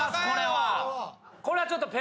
これはちょっと。